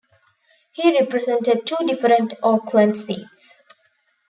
He represented two different Auckland seats.